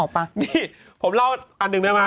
ผมเล่าอันหนึ่งได้มั้ย